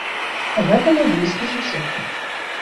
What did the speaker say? Гэта мой блізкі сусед.